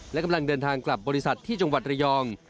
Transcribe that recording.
และกำลังเดินทางกลับบริษัทที่จังหวัดระยอง